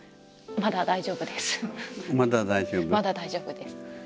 まだ大丈夫です。